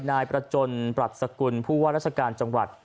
นายประจนปรัชสกุลผู้ว่าราชการจังหวัด